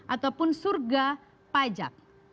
ataupun surga pajak